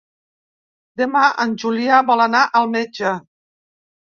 Demà en Julià vol anar al metge.